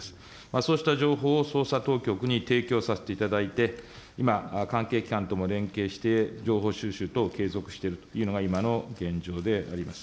そうした情報を捜査当局に提供させていただいて、今、関係機関とも連携して情報収集等、継続しているというのが今の現状であります。